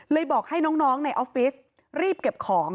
บอกให้น้องในออฟฟิศรีบเก็บของ